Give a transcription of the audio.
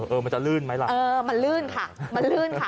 เออมันจะลื่นไหมล่ะเออมันลื่นค่ะมันลื่นค่ะ